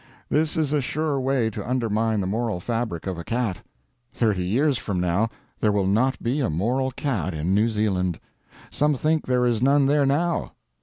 This is a sure way to undermine the moral fabric of a cat. Thirty years from now there will not be a moral cat in New Zealand. Some think there is none there now.